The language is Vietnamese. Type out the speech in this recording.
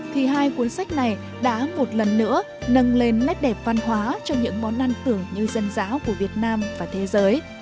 thì hai cuốn sách này đã một lần nữa nâng lên nét đẹp văn hóa trong những món ăn tưởng như dân giáo của việt nam và thế giới